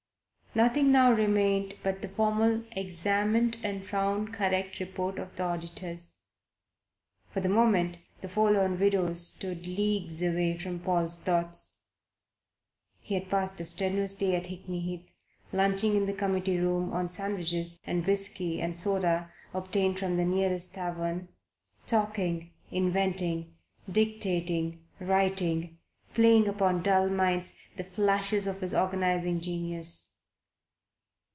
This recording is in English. Nothing now remained but the formal "examined and found correct" report of the auditors. For the moment the Forlorn Widows stood leagues away from Paul's thoughts. He had passed a strenuous day at Hickney Heath, lunching in the committee room on sandwiches and whisky and soda obtained from the nearest tavern, talking, inventing, dictating, writing, playing upon dull minds the flashes of his organizing genius.